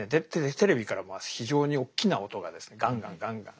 テレビから非常に大きな音がですねガンガンガンガン